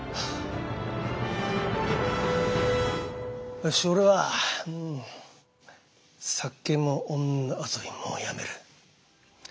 よし俺は酒も女遊びもやめる。